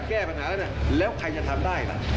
แก้ปัญหาแล้วนี่แล้วใครจะทำได้